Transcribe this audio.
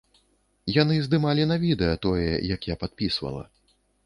Яны здымалі на відэа тое, як я падпісвала.